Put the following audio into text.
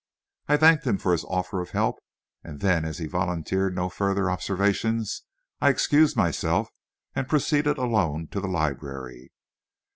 I thanked him for his offer of help, and then as he volunteered no further observations, I excused myself and proceeded alone to the library.